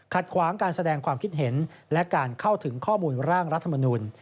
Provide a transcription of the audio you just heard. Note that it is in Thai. ขวางการแสดงความคิดเห็นและการเข้าถึงข้อมูลร่างรัฐมนุน